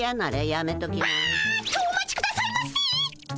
あっとお待ちくださいませ！